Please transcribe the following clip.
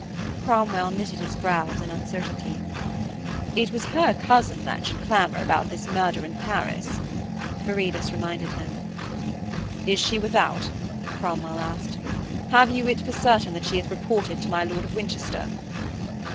Cromwell knitted his brows in uncertainty. 'It was her cousin that should clamour about this murder in Paris,' Viridus reminded him. 'Is she without?' Cromwell asked. 'Have you it for certain that she hath reported to my lord of Winchester?'